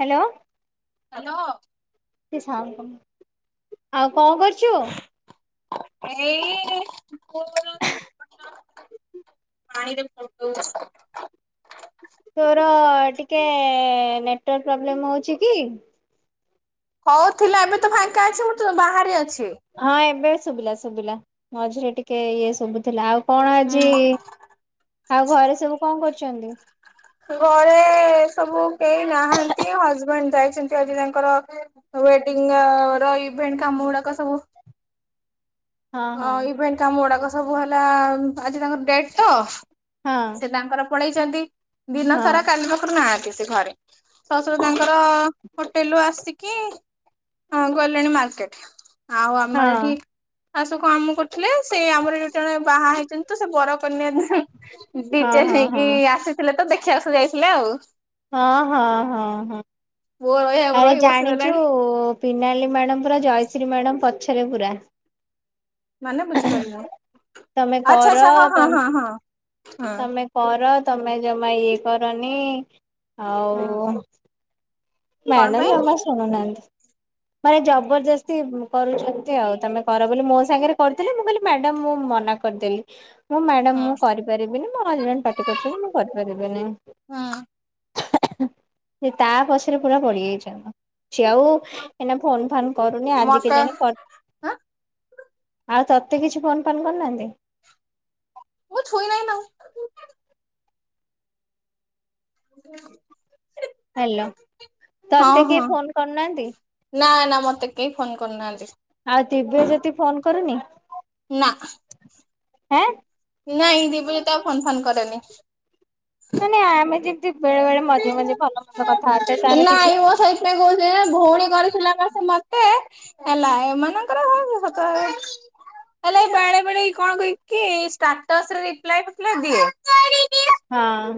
Hello. Hello. ଟିକେ sound କମା। ଆଉ କଣ କରୁଛୁ? ଏଇ [unintelligible] ପାଣିରେ ଫୁଟୋଉଚି। ତୋର ଟିକେ ନେଟୱାର୍କ ପ୍ରୋବ୍ଲେମ୍ ହେଉଛି କି? ହୋଉଥିଲା ଏବେ ତ ଫାଙ୍କା ଅଛି ମୁଁ ତ ବାହାରେ ଅଛି। ହଁ ଏବେ ଶୁଭିଲା ଶୁଭିଲା ମଝିରେ ଟିକେ ଇଏ ସବୁ ଥିଲା ଆଉ କଣ ଆଜି ହୁଁ। ଆଉ ଘରେ ସବୁ କଣ କରୁଛନ୍ତି? ଘରେ ସବୁ କେହି ନାହାନ୍ତି ହଜବେଣ୍ଡ ଯାଇଛନ୍ତି ଆଜି ତାଙ୍କର ୱେଡିଙ୍ଗର ର ଇଭେଣ୍ଟ କାମ ଗୁଡାକ ସବୁ ହଁ ଇଭେଣ୍ଟ କାମ ଗୁଡାକ ସବୁ ହେଲା ଆଜି ତାଙ୍କର ଡେଟ୍ ତ ହଁ ସେ ତାଙ୍କର ପଳେଇଛନ୍ତି ଦିନ ସାରା କାଲି ପାଖରୁ ନାହାନ୍ତି ସେ ଘରେ। ଶଶୁର ତାଙ୍କର ହୋଟେଲରୁ ଆସିକି ଆଁ ଗଲେଣି ମାର୍କେଟ ଆଉ ହଁ ଆମର ଏଠି ଆଉ ସବୁ କାମ କରୁଥିଲେ ସେ ଆମର ଯୋଉ ଜଣେ ବାହା ହେଇଛନ୍ତି ତ ସେ ବରକନ୍ୟା ହଁ ଡିଜେ ହଁ ହଁ ନେଇକି ହଁ। ଆସିଥିଲେ ତ ଦେଖିବାକୁ ଯାଇଥିଲେ ଆଉ। ହଁ ହଁ ହଁ ହଁ ପୁଅ ରହିବାକୁ ଆରେ ରହି ବସିଗଲାଣି। ଜାଣିଛୁ ପିନାଲି ମ୍ୟାଡ଼ମ ପୁରା ଜୟଶ୍ରୀ ମ୍ୟାଡ଼ମ୍ ପଛରେ ପୁରା। ମାନେ ବୁଝିପାରିଲନି ତମେ କର ଆଛା ଆଚ୍ଛା ହଁ ହଁ ହଁ ହଁ ହଁ। ତମେ କର ତମେ ଜମା ଇଏ କରନି ହଁ ଆଉ କଣ ମ୍ୟାଡ଼ମ ପାଇଁ ଜମା ଶୁଣୁନାହାନ୍ତି ମାନେ ଜବରଦସ୍ତି କରୁଛନ୍ତି ଆଉ ତମେ କର ବୋଲି ମୋ ସାଙ୍ଗରେ କରିଥିଲେ ମୁଁ କହିଲି ମ୍ୟାଡାମ ମୁଁ ମନା କରିଦେଲି। ମୁଁ ମ୍ୟାଡ଼ାମ ହୁଁ। ମୁଁ କରିପାରିବିନି ମୋ ହଜବେଣ୍ଡ ପାଟି କରୁଛନ୍ତି ମୁଁ କରିପାରିବିନି। ହୁଁ ସେ ତା ପଛରେ ପୁରା ପଡିଯାଇଛନ୍ତି। ସିଏ ଆଉ ଏଇନା ଫୋନ୍ ଫାନ୍ କରୁନି ଆଜି ମତେ କେଜାଣି ଆଁ ଆଉ ତୋତେ କିଛି ଫୋନ ଫାନ୍ କରିନାହାନ୍ତି? ମୁଁ ଛୁଇ ନାଇଁ ନା ହ୍ୟାଲୋ ହଁ ତତେ ହଁ କେହି ଫୋନ କରୁନାହାନ୍ତି? ନା ନା ମୋତେ କେହି ଫୋନ କରୁନାହାନ୍ତି। ଆଉ ଦିବ୍ୟଯୋତି ଫୋନ କରୁନି? ନା। ଆଁ? ନାଇଁ ଦିିବ୍ୟଯୋତି ତ ଫୋନ୍ ଫାନ୍ କରେନି। ନ ନାଇଁ ଆମେ ଯେମିତି ବେଳେ ବେଳେ ମଝୀରେ ମଝିରେ ଭଲ ମନ୍ଦ କଥାବାର୍ତ୍ତା ତାର କିଛିନାହିଁ। ସେ କହୁଥିଲେ ଯେ ଭଉଣୀ କରିଥିଲା ବା ସେ ମତେ। ହେଲା ଏମାନଙ୍କର ହ ସତ ହେଲେ ଏ ବେଳେ ବେଳେ କଣ କହିକି ଷ୍ଟାଟସରେ ରିପଲାଏ କରିଥିଲେ ଦିଏ। ହଁ।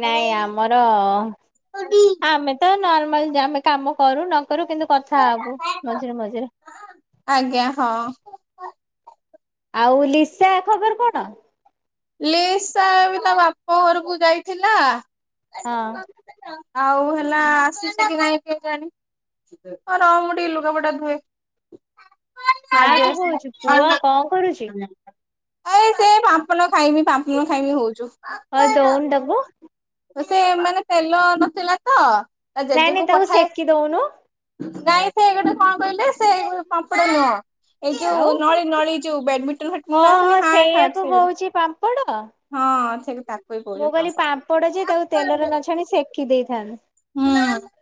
ନାଇଁ ଆମର ଆମେ ତ ନର୍ମାଲ ଯେ ଆମେ କାମ କରୁ ନ କରୁ କିନ୍ତୁ କଥା ହୋବୁ ମଝିରେ ମଝିରେ। ଆଜ୍ଞା ହଁ। ଆଉ ଲିସା ଖବର କଣ? ଲିସା ବି ତା ବାପ ଘରକୁ ଯାଇଥିଲା ହଁ। ଆଉ ହେଲା ଆସୁଛି କି ନାଇଁ କେଜାଣି। ରହ ମୁଁ ଟିକେ ଲୁଗାପଟା ଧୁଏ। ଆଜି କାହାକୁ ଆସିଲେ କହୁଛୁ ପୁଅ କଣ କରୁଛି? [unintelligible] ଏଇ ସେ ପାପନ ଖାଇବି ପାପନୁ ଖାଇବି ହଉଚୁ। ଦବୁ। ସେ ମାନେ ତେଲ ନଥିଲା ତ ତା ନାଇଁ ନାଇଁ ଜେଜେକୁ ତାକୁ ପଠାଏ। ସେକି ଦଉନୁ ନାଇଁ ସେ ଗୋଟେ କଣ କହିଲେ ସେ ପାମ୍ପଡ ନୁହଁ। ଏ ଆଉ ଯୋଉ ନଳି ନଳି ଯୋଉ ବ୍ୟାଡମିଣ୍ଟନ [unintelligible] ଓହୋ ଆସେନି ହାଟ ହାଟ ସେଇଆକୁ ସେଗୁଡା। କହୁଛି ପାମ୍ପଡ ହଁ ଠିକ ତାକୁ ବି ମୁଁ କହୁଚି କହିଲି ପାମ୍ପଡ। ପାମ୍ପଡ ଯେ ତାକୁ ତେଲରେ ନ ଛାଣି ସେକି ଦେଇଥାନ୍ ହୁଁ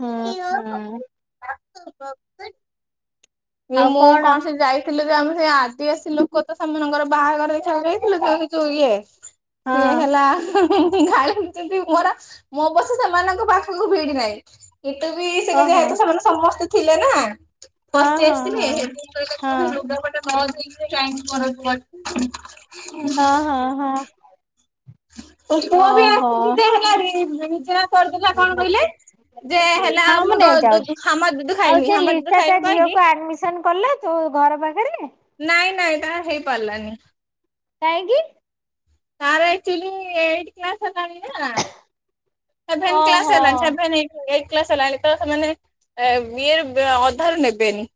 ହୁଁ ହୁଁ। [inaudible] କି ମୁଁ କଣ ସେ ଯାଇ ଥିଲେ ଯେ ଆମେ ସେ ଆଦିବାସୀ ଲୋକ ତ ସେମାନଙ୍କର ବାହାଘର ଦେଖିବାକୁ [unintelligible] ଯୁ ଇଏ ସିଏ ହଁ ହେଲା ଗାଳିଛନ୍ତି ମରା ମ ବସ ସେମାନଙ୍କ ପାଖକୁ ଭିଡି ନାହିଁ। ଏଠୁ ବି ସେମାନେ ଓହୋ ଯେହେତୁ ସେମାନେ ସମସ୍ତେ ଥିଲେ ନା। ହଁ [unintelligible] ହଁ ହେଠୁ ହଁ ହଁ କହିଲେ ଲୁଗାପଟା ନ ଧୁଇଁକିରି କାହିଁକି ହଁ- ହଁ -ହଁ। ଓ ପୁଅବି ଓହୋ। ଆସିଛିି ଦେ ହେଲାଣି [unintelligible] କଣ କହିଲେ? ଯେ ହେଲା ହଁ ମୁଁ ନେଇ ଯାଉଛି ହାମା ଦୁଧ ଆଉ ଖାଇମି ସେ ହାମା ଦୁଧ ଲିସା ଖାଇମି ତା କହିକି ଝିଅକୁ ଆଡମିସନ କଲା? ତ ଘର ପାଖରେ। ନାଇଁ ନାଇଁ ତା ହେଇପାରିଲାନି। କାହିଁକି? ତାର ଆକ୍ଚୁଲି ଏଇଟ୍ କ୍ଲାସ୍ ହେଲାଣି ନା ସେଭେନ୍ କ୍ଲାସ୍ ଓହୋ ହେଲାଣି ସେଭେନ୍ ଏଇ ଏଇକ କ୍ଲାସ ହେଲାଣି ତ ସେମାନେ ଏ ବିଏ ବା ଅଧାରୁ ନେବେନି।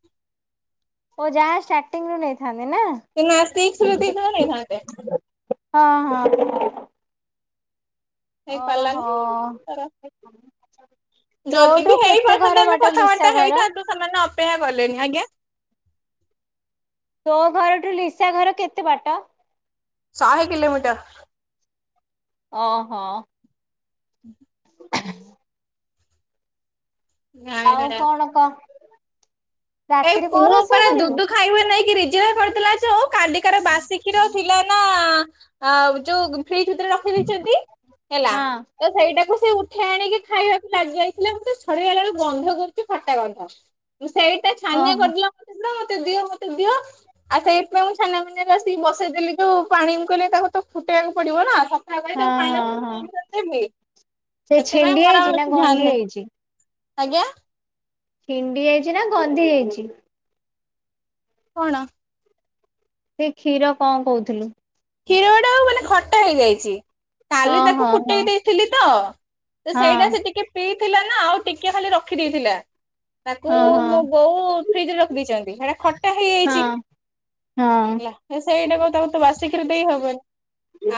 ଓ ଯା ଷ୍ଟାଟିଙ୍ଗ ରୁ ନେଇଥାନ୍ତେ ନା। ସେ ନା ସିକ୍ସ ରେ ଦେଇଥିଲେ ନେଇଥାନ୍ତେ। ହଁ ହଁ। ଅ ହେଇପାରିଲାନି ହୋ ତାର ଯଦି ବି ହେଇପାରି ଥାନ୍ତା ଆମେ କଥାବାର୍ତ୍ତା ଘର? ହେଇଥାନ୍ତୁ ସେମାନେ ଅପେକ୍ଷା କଲେଣିି ଆଜ୍ଞା ତୋ ଘରଠୁ ଲିସା ଘର କେତେ ବାଟ? ଶହେ କିିଲୋମିଟର। ଅ ହୋ। ହୁଁ ହ ଆଉ କିଲୋମିଟର କଣ କହ। ଏଇପ୍ ରାତିରେ କଣ ମୁଁ ରୋଷେଇ ଉପରେ କରିବୁ? ଦୁଦୁ ଖାଇବ ନେଇକିରି [unintelligible] କାଲିକାର ବାସି କ୍ଷିର ଥିଲା ନା ଯୋଉ ଫ୍ରିଜ୍ ଭିତରେ ର ଫିରିଛନ୍ତି ହେଲା। ହଁ ତ ସେଇଟାକୁ ସେ ଉଠେଇ ଆଣିକି ଖାଇବାକୁ ଲାଗି ଯାଇଥିଲେ ମୁଁ ସେ ଛଡେଇ ଆଣିଲା ବେଳୁ ଗନ୍ଧ କରୁଛି ଖଟା ଗନ୍ଧ। ସେଇଟା ଓହୋ ଛାନିଆ କରିଦେ ମତେ ଦିଅ ମତେ ଦିଅ। ଆଉ ସେଇଥିପାଇଁ ମୁଁ ଛେନା ମିନି ରେ ଆସିକି ବସେଇଦେଲି ଯୋଉ ପାଣି ମୁଁ କହିଲି ତାକୁ ତ ଫୁଟେଇବାକୁ ପଡିବ ନା। ତା ପାଇଁ ହଁ ତାକୁ ପାଣି ହଁ ହଁ। ଫୁଟଇକି କରଦେଲି। ସେ ସେଥିପାଇଁ ଛିଣ୍ଡି ମୋର ଯାଇଛି ନା ଧ୍ୟାନ ଗନ୍ଧି ନାହିଁ ହେଇଛି? ଆଜ୍ଞା ଛିଣ୍ଡି ଯାଇଚି ନା ଗନ୍ଧି ଯାଇଛି। କଣ? ସେ କ୍ଷୀର କଣ କହୁଥିଲୁ। କ୍ଷୀରଟା ମାନେ ଖଟା ହେଇଯାଇଛି ହଁ କାଲି ତାକୁ ହଁ ହଁ ଫୁଟେଇ ଦେଇଥିଲି ତ। ତ ହଁ। ସେଇଟା ସେ ଟିକେ ପିଇଥିଲା ନା ଆଉ ଟିକେ ଖାଲି ରଖି ଦେଇଥିଲା। ତାକୁ ହଁ ମୋ ହଁ ବୋଉ ଫ୍ରିଜରେ ରଖିଦେଇଚନ୍ତି ହେଟା ଖଟା ହେଇଯାଇଛି। ହଁ ହଁ ହେଲା ସେଇଟା କଣ ତାକୁ ତୁ ବାସି ଦେଇହବନି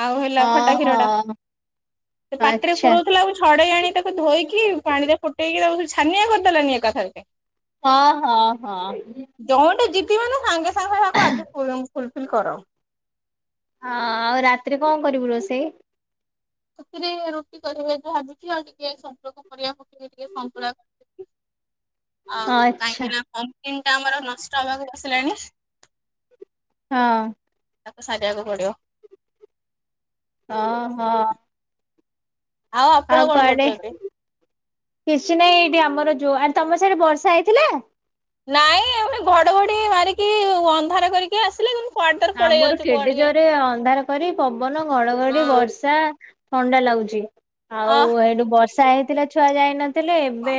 ଆଉ ହେଲା ଖଟା ଓହୋ କ୍ଷୀର ଟା ପାଟିରେ ଆଚ୍ଛା ପୁରଉ କୁ ଛଡେଇ ଆଣି ତାକୁ ଧୋଇକି ପାଣିରେ ଫୁଟେଇ ତାକୁ ଛାନିଆ କରିଦେନି ଏକାଥରେ। ହଁ ହଁ ହଁ। ଯୋଉଟା ଯିବି ମାନେ ସାଙ୍ଗେ ସାଙ୍ଗେକୁ ଆ ଫୁଲଫିଲ୍ କର। ହଁ ଆଉ ରାତିରେ କଣ କରିବୁ ରୋଷେଇ ସେଥିରେ ରୁଟି କରିବା ଯୋ ଭାବୁଛି ଆଉ ଟିକେ ସପୁଳକ ପରିବା ପକେଇ ଟିକେ ସନ୍ତୁଳା କରିଛି। ଆଉ ଆଚ୍ଛା କାହିଁକି ନା କମ୍ପନ୍ ଟା ଆମର ନଷ୍ଟ ହବାକୁ ବସିଲାଣି। ହଁ ତାକୁ ସାରିବାକୁ ପଡିବ। ହ ହଁ ଆପଣ ଆଉ କଣ କୁଆଡେ କରୁଛନ୍ତି? କିଛି ନାହିଁ ଏଇଠି ଆମର ଯୋଉ ତମ ସିଆଡେ ବର୍ଷା ହେଇଥିଲା। ନାଇଁ ଘଡଘଡି ମାରିକି ଅନ୍ଧାର କରିକି ଆସିଲେ କି। ଆମର କେଡେ ଜୋରେ ଅନ୍ଧାର କରି ପବନ ଘଡଘଡି ବର୍ଷା ଥଣ୍ଡା ଲାଗୁଛି। ଆଉ ଅ ଏଠୁ ବର୍ଷା ହେଇଥିଲା ଛୁଆ ଯାଇନଥିଲେ ଏବେ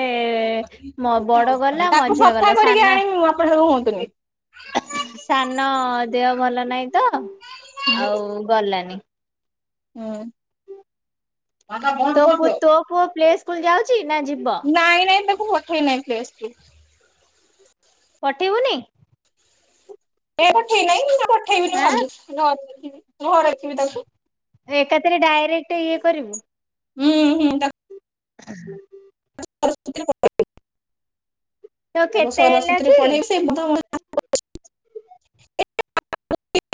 ବଡ ଗଲା ତାକୁ ମଝିଆ ସଫା ଗଲା ସାନ କରିକି ଆଣିବି ଆପଣ ହୁଅନ୍ତୁନି। ସାନ ଦେହ ଭଲ ନହିଁ ତ ଆଉ ଗଲାନି। ହୁଁ ତୋ ତୋ ପୁଅ ପ୍ଲେ ସ୍କୁଲ ଯାଉଛି ନା ଯିବ। ନାଇଁ ନାଇଁ ତାକୁ ପଠେଇ ନହିଁ ପ୍ଲେ ସ୍କୁଲ୍। ପଠେଇବୁନି। ଏ ପଠେଇ ନହିଁ ମୁଁ ତା ପଠେଇବିଁ ହଁ ଭାବୁଛି ଘରେ ଘ ରଖିବି ତାକୁ। ଏକାଥରେ ଡାଇରେକ୍ଟ ଇଏ କରିବୁ। ହୁଁ ହୁଁ ତା। ହ ହ [unintelligible] ତାକୁ ତ କେତେ ହେଲା ସରସ୍ୱତୀରେ କି ପଢେଇକି ସେ।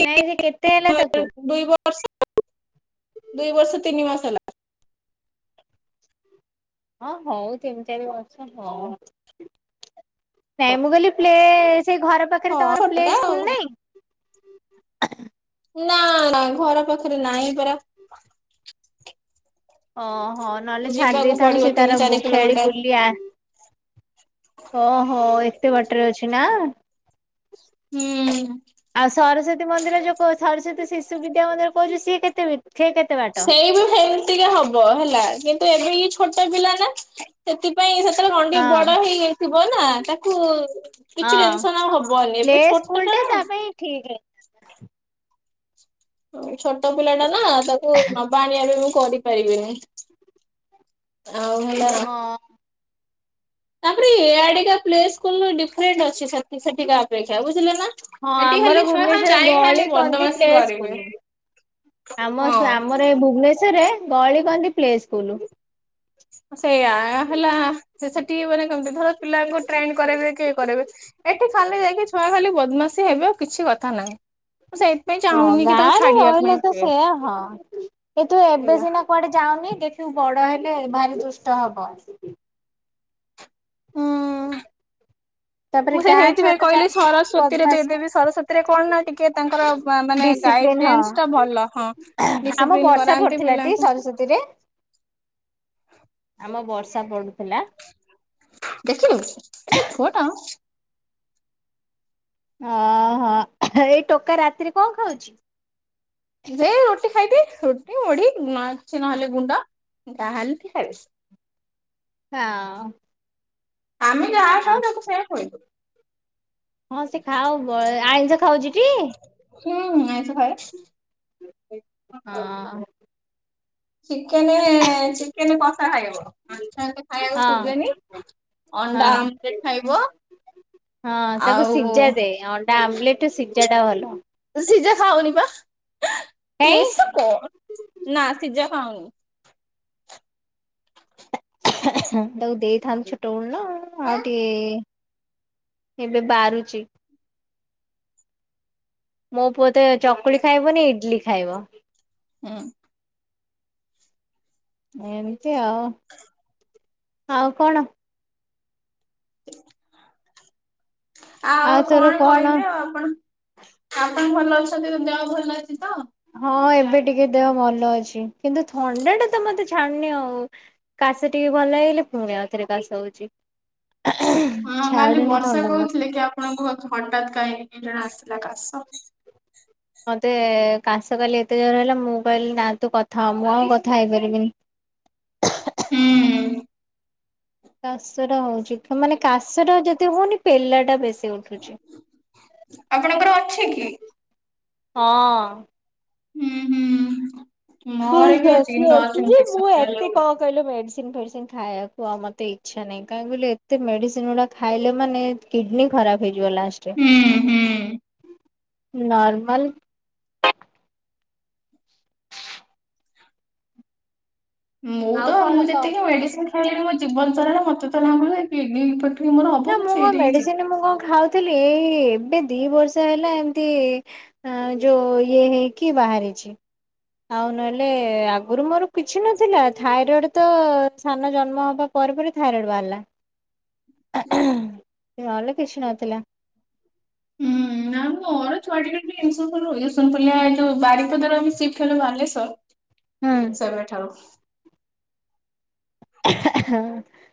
ନାଇଁ ସେ କେତେ ହେଲା ତାକୁ। [unintelligible] ଦୁଇ ବର୍ଷ ତିନି ମାସ ହେଲା। ହଁ ହଉ ତିନି ଚାରି ବର୍ଷ ହଉ। ନାଇଁ ମୁଁ କହିଲି ପ୍ଲେ ସେ ଘର ପାଖରେ ହଁ ତମର ପ୍ଲେ ଛୋଟଟା ଆଉ। ସ୍କୁଲ ନାହିଁ ନା ନା ଘର ପାଖରେ ନାହିଁ ପରା। ଓହୋ ନହେଲେ ଛାଡି ଯିବାକୁ ଦେଇଥାନ୍ତୁ ପଡିବ ସେ ତିନି ତାର ଚାରି ଖେଳି କିଲୋମିଟର। ବୁଲି ଓହୋ ଏତେ ବାଟରେ ଅଛି ନା। ହୁଁ ଆଉ ସରସ୍ଵତୀ ମନ୍ଦିର ଯୋଉ କ ସରସ୍ଵତୀ ଶିଶୁ ବିଦ୍ୟା ମନ୍ଦିର କହୁଛୁ ସିଏ କେତେ ବି ସେ କେ। ସେଇ ବି ସେମତିକା ହବ ହେଲା କିନ୍ତୁ ଏବେ ଇଏ ଛୋଟ ପିଲା ନା। ସେଥିପାଇଁ ସେତେବେଳେ କଣ ଟିକ୍‌ ହଁ ବଡ ହେଇଯାଇଥିବ ନା ତାକୁ କିଛି ଟା ହଁ ଟେନସନ ଆଉ ହବନି ପ୍ଲେ ଏବେ ଛୋଟ ଟା ସ୍କୁଲ ନା। ତା ପାଇଁ ଠିକ ରେ ଛୋଟ ପିଲା ଟା ନା ତାକୁ ନବା ଆଣିବା ପାଇଁ ମୁଁ କରି ବିନି ଆଉ ହେଲା। ହଁ ତାପରେ ଏଆଡିକା ପ୍ଲେ ସ୍କୁଲ ଡିରେଣ୍ଟ ଅ ସେଠିକା ଅପେକ୍ଷା ବୁଝିଲେ ନା। ହଁ ଏଠି ଆମର ଖାଲି ଛୁଆ ଖାଲି ଭୁବନେଶ୍ୱରରେ ଯାଇ ଗଳି ଖାଲି କନ୍ଦି ବଦମାସି ପ୍ଲେ କରିବେ ସ୍କୁଲ। ଆମ ହଁ। ଆମର ଏଇ ଭୁବନେଶ୍ଵରରେ ଗଳି କନ୍ଦି ପ୍ଲେ ସ୍କୁଲ। ସେଇୟା ହେଲା ସେ ସେଠି ମାନେ କେମତି ଧର ପିଲାଙ୍କୁ ଟ୍ରେନ୍ କରାଇବକି ଇଏ କରାଇବେ। ଏଠି ଖାଲି ଯାଇକି ଛୁଆ ଖାଲି ବଦମାସିୀ ହେବ ଆଉ କିଛି କଥା ନାହିଁ ସେଇ। ହଁ ଗାଁ ରେ ରହିଲେ ତ ସେୟା ହଁ ଏ ତୁ ଏବେ ହେଲା ସିନା କୁଆଡେ ଯାଉନି ଦେଖିବୁ ବଡ ହେଲେ ଭାରି ଦୁଷ୍ଟ ହବ। ହୁଁ। ତାପରେ ମୁଁ ଗାଁ ଛୁଆ ସେଇଥିପାଇଁ ତ କହିଲି ଜାଣିଥିବୁ ସରସ୍ୱତୀରେ ବଦମାସି। ଦେଇଦେବି ସରସ୍ୱତୀ ରେ କଣ ନା ଟିକେ ତାଙ୍କର ମାନେ ଡିସିପ୍ଲିନ ହଁ। ଗାଇଡେନ୍ସ ଟା ଭଲ ହଁ ଡିସିପ୍ଲିନ କରାନ୍ତି ପିଲାଙ୍କୁ। ଇରେ ଆମ ବର୍ଷା ପଡୁଥିଲା। ଦେଖିଲୁ ଏଟା ଛୁଆ ଟା ଓହୋ ଏଇ ଟୋକା ରାତିରେ କଣ ଖାଉଛି? ଯେ ରୁଟି ଖାଇଦି ରୁଟି ମୁଢି ଅଛି ନହେଲେ ଗୁଣ୍ଡ ଯା ହେଲେବି ଗୋଟେ ଖାଇଦିଏ। ହଁ। ଆମେ ଯ ହଁ। ମୁଁ ସେୟା କଇଲି। ହଁ ସେ ଖାଉ ଆଇଁଷ ଖାଉଛି କି? ହୁଁ ହୁଁ ଆଇନ୍ସ ଖାଏ। ହଁ। ଚିକେନେ ଚିକେନ କଷା ଖାଇବ ମାଛ ଏତେ ଖାଇବାକୁ ହଁ ଖୋଜେନି। ଅଣ୍ଡା ହଁ। ଆମ୍ଲେଟ୍ ଖାଇବ। ହଁ ତାକୁ ଆଉ ଶିଜା ଦେ। ଅଣ୍ଡା ଆମ୍ଲେଟ ସିଝା ଟା ଭଲ। ସିଜା ଖାଉନି ପା କାଇଁ ଏଇସା କଉନ୍ ନା ସିଜା ଖାଉନି। ତାକୁ ଦେଇଥାନ୍ତୁ ଛୋଟବେଳୁ ନାଉ ଆଉଟି ଏବେ ବାରୁଚି। ମୋ ପୁଅତ ଚକୁଳି ଖାଇବନ ଇଡ୍ଲି ଖାଇବ। ହଁ। ଏମିତି ଆଉ ଆଉ କଣ? ଆଉ କଣ କହିବି ଆଉ ଆପଣ ଆପଣ ଭଲ ଅଛନ୍ତି, ଦେହ ଭଲ ଅଛି ତ? ହଁ ଏବେ ଟିକେ ଦେହ ଭଲ ଅଛି, କିନ୍ତୁ ଥଣ୍ଡା ଟା ତ ମତେ ଛାଣନି ଆଉ। କାସ ଟିକେ ଭଲ ହେଇଲେ ପୁଣି ଆଉଥରେ କାଶ ହଉଛି। ଛାଡ଼ୁ ନି ଥଣ୍ଡା ମତେ ଆପଣ ଙ୍କୁ ହଠାତ୍ କାହିଁକି ଜଣ ଆସିଲା କାଶ? ମୋତେ କାଶ କାଲି ଏତେ ଜୋର ହେଲା ମୁଁ କହିଲି ନା ତୁ କଥା ହ ମୁଁ ଆଉ କଥା ହେଇପାରିବିନି। ହୁଁ। କାଶ ହଉଛି ମାନେ କାଶଟା ଯଦି ହଉନି ପେଲାଟା ବେଶୀ ଉଠୁଛି। ଆପଣଙ୍କର ଅଛି କି? ହଁ। ହୁଁ ହୁଁ ମୋ ମର ବି ଅଛି ନଜ ଇନଫେକ୍ସନ ଯାହେଲେ ହୁଏ। କହିଲେ ମେଡ଼ିସିନ ଫେଡ଼ିସିନ ଖାଇବାକୁ ଆଉ ମୋତେ ଇଚ୍ଛା ନାହିଁ କାହିଁିିଲି ଏତେ ମେଡ଼ିସିନ ଗୁଡ଼ା ଖାଇଲେ ମାନେ କିଡ୍ନୀ ଖରାପ ହେଇଯିବ ଲାଷ୍ଟରେ ହୁଁ ହୁଁ। ନର୍ମଲ୍ ମୁଁ ଆଉ ତ ମୁଁ କଣ କହ? ଯେତିକି ମେଡିସିନ୍ ମୋ ଜୀବନ ସାରା ବଞ୍ଚୁଚ ନା ପୁଣି [unintelligible] ନା ମୁଁ କଣ ମେଡିସିନ୍ ମୁଁ କଣ ଖାଉଥିଲି ଏଇ ଏବେ ଦି ବର୍ଷ ହେଲା ଏମତି ହ ଯୋ ହେ କି ବାହହାରିଛି। ଆଉ ନହେଲେ ଆଗରୁ ମୋର କିଛି ନଥିଲା ଥାଇରଏଡ୍ ତ ସାନ ଜନ୍ମ ହବା ପରେ ପରେ ଥାଇରଏଡ୍ ବାହାରିଲା। ନହେଲେ କିଛି ନଥିଲା। ହୁଁ ଆ ମ ମୋର ଛଆିକ ଇସ ଇସୁନ ପୁରଲିଆ ଯୋଉ ବାରି ବାଲେଶ୍ୱର ସେବେ ଠାରୁ ହଁ